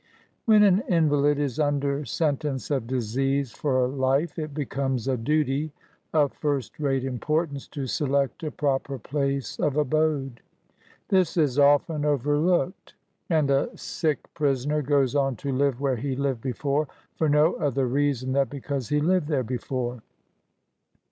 When an invalid is under sentence of disease for life, it becomes a duty of first rate importance to select a proper place of abode. This is often oyerlooked; and a sick prisoner goes on to live where he lived before, for no other reason than because he lived there before.